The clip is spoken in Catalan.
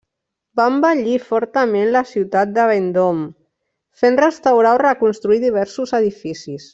Va embellir fortament la ciutat de Vendôme, fent restaurar o reconstruir diversos edificis.